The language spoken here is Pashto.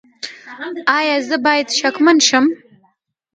ایا زه باید شکمن شم؟